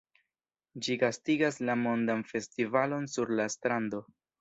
Ĝi gastigas la Mondan Festivalon sur la Strando.